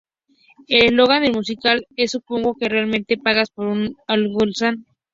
El eslogan del musical es ‘Supongo que realmente pagas por ser un holgazán’.